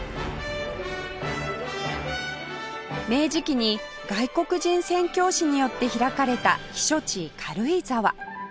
明治期に外国人宣教師によって開かれた避暑地軽井沢